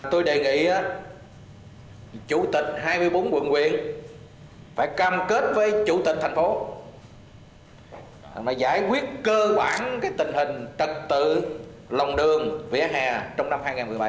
tôi đề nghị chủ tịch hai mươi bốn quận quyện phải cam kết với chủ tịch thành phố mà giải quyết cơ bản tình hình trật tự lòng đường vỉa hè trong năm hai nghìn một mươi bảy